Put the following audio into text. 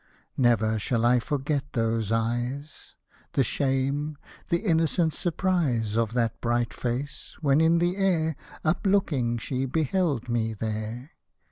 Never shall I forget those eyes !— The shame, the innocent surprise Of that bright face, when in the air Uplooking, she beheld me there.